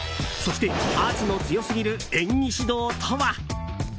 そして、圧の強すぎる演技指導とは。